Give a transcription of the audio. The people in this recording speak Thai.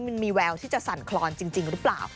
มันมีแววที่จะสั่นคลอนจริงหรือเปล่า